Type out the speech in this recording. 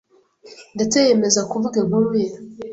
ndetse yiyemeza kuvuga inkuru ye